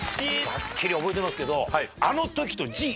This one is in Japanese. はっきり覚えてますけど。